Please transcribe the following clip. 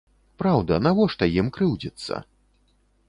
Праўда, навошта ім крыўдзіцца?